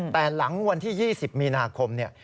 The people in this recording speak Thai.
แต่หลังวันที่๒๐มีนาคมเนี่ย